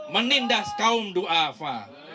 menindas kaum du'afa